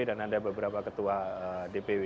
dan ada beberapa ketua dpw